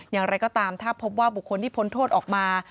อย่างไรก็ตามถ้าพบว่าบุคคลที่พ้นโทษออกมา